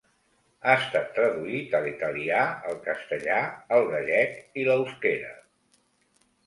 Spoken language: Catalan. Ha estat traduït a l'italià, el castellà, el gallec i l'euskera.